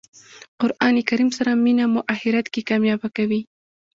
قران کریم سره مینه مو آخرت کښي کامیابه کوي.